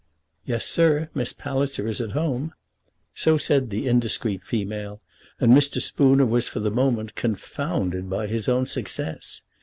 "Yes, sir; Miss Palliser is at home." So said the indiscreet female, and Mr. Spooner was for the moment confounded by his own success.